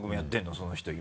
その人今。